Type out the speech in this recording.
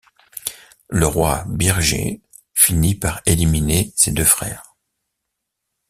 Le roi Birger finit par éliminer ses deux frères.